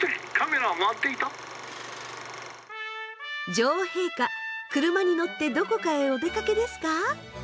女王陛下車に乗ってどこかへお出かけですか？